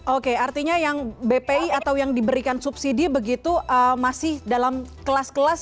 oke artinya yang bpi atau yang diberikan subsidi begitu masih dalam kelas kelas